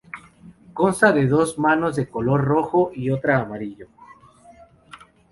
Consta de dos manos, de color rojo y otra amarillo.